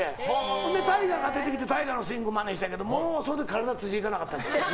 それでタイガーが出てきてタイガーのスイングをまねしたけどもうその時体ついていかなかった。